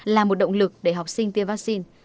là một động lực để học sinh tiêm vaccine